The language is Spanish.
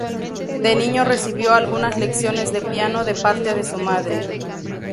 De niño recibió algunas lecciones de piano de parte de su madre.